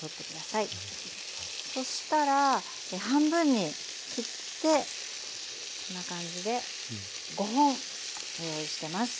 そしたら半分に切ってこんな感じで５本用意してます。